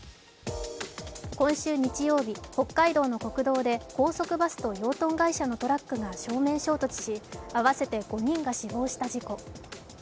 今週日曜日、北海道の国道で、高速バスと養豚会社のトラックが正面衝突し合わせて５人が死亡した事故。